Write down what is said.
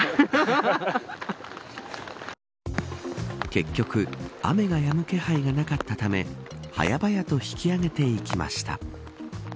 結局雨がやむ気配がなかったため早々と引き揚げていきました。